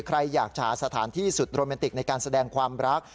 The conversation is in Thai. ใครอยากจะหาสถานที่สุดโรแมนติกในการแสดงความรัก